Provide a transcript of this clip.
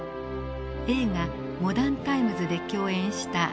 映画「モダン・タイムス」で共演した女優